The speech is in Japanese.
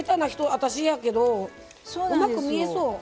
私やけどうまく見えそう。